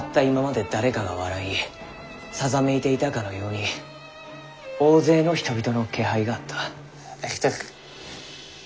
今まで誰かが笑いさざめいていたかのように大勢の人々の気配があった」。